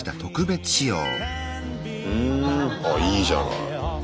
ふんあいいじゃない。